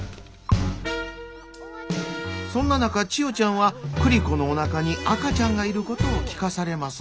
そんな中千代ちゃんは栗子のおなかに赤ちゃんがいることを聞かされます。